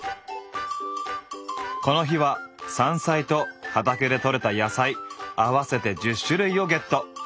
この日は山菜と畑で採れた野菜合わせて１０種類をゲット！